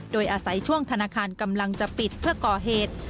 โดยอาศัยช่วงธนาคารกำลังจะปิดเพื่อก่อเหตุ